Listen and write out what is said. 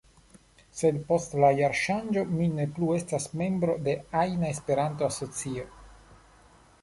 Sed post la jarŝanĝo mi ne plu estas membro de ajna Esperanto-asocio.